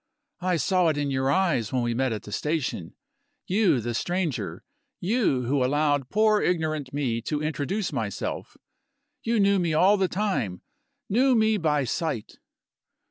"I saw it in your eyes when we met at the station. You, the stranger you who allowed poor ignorant me to introduce myself you knew me all the time, knew me by sight!"